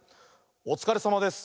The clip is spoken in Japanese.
「おつかれさまです」。